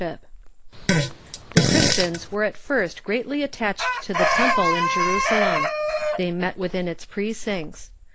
] The Christians were at first greatly attached to tlie temple in Jerusalem. They met Avithin its precincts.